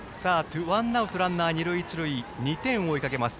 ワンアウトランナー、二塁一塁２点を追いかけます